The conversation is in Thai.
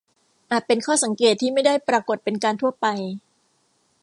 อาจเป็นข้อสังเกตที่ไม่ได้ปรากฏเป็นการทั่วไป